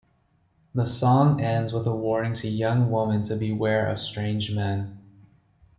The song ends with a warning to young women to beware of strange men.